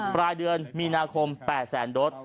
ปลายเดือนมีนาคม๘แสนโดส